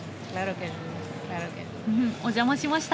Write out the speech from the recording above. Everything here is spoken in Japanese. お邪魔しました。